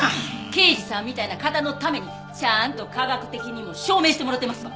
刑事さんみたいな方のためにちゃんと科学的にも証明してもろてますわ。